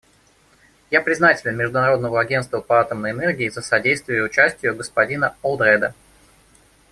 Я признателен Международному агентству по атомной энергии за содействие участию господина Олдреда.